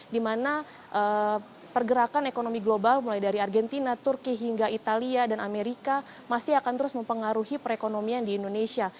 karena pergerakan ekonomi global mulai dari argentina turki hingga italia dan amerika masih akan terus mempengaruhi perekonomian di indonesia